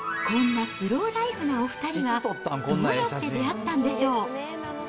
こんなスローライフなお２人は、どうやって出会ったんでしょう。